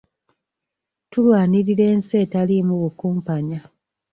Tulwanirira ensi etalimu bukumpanya.